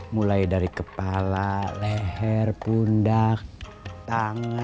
beli sepatu tempat jepri aja kang